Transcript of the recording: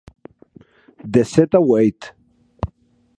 De sèt a ueit.